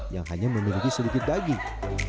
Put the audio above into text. yang hanya memiliki sedikit daging